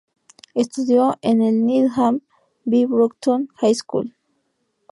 Estudió en el "Needham B. Broughton High School".